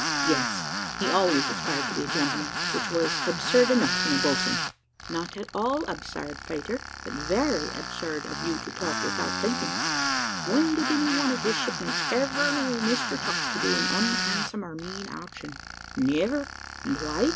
"Yes; he always aspired to be a gentleman which was absurd enough in a boatswain." "Not at all absurd, Peter, but very absurd of you to talk without thinking: when did any one of his shipmates ever know Mr Chucks to do an unhandsome or mean action? Never and why?